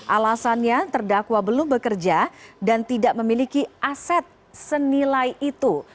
alasannya terdakwa belum bekerja dan tidak memiliki aset senilai itu